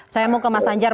saya mau ke mas anjar